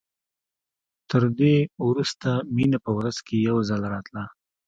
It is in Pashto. تر دې وروسته مينه په ورځ کښې يو ځل راتله.